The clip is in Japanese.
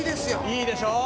「いいでしょ？